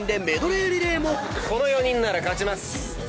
この４人なら勝ちます！